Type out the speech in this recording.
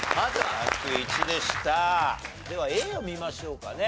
ではＡを見ましょうかね。